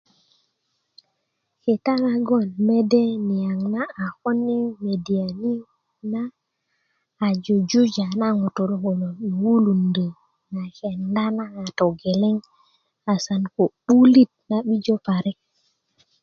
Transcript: kita nagon mede niyaŋ na a kon i media ni na a jujuja na ŋutulu kulo yi wulundö na kenda na a togeleŋ asan ko 'bulit na 'bijo parik